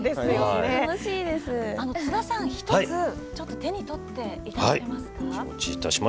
津田さん、１つ手に取っていただけますか。